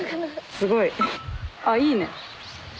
すごいあっいいね。